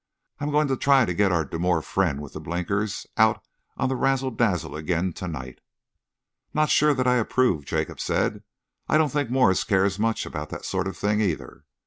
I am going to try and get our demure friend with the blinkers out on the razzle dazzle again to night." "Not sure that I approve," Jacob said. "I don't think Morse cares much about that sort of thing, either."